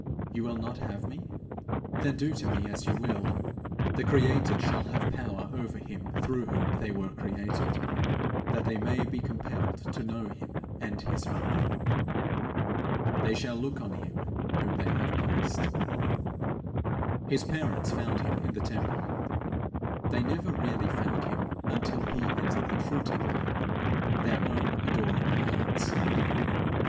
You will not have me? Then do to me as you will. The created shall have power over him through whom they were created, that they may be compelled to know him and his father. They shall look on him whom they have pierced.' His parents found him in the temple; they never really found him until he entered the true temple their own adoring hearts.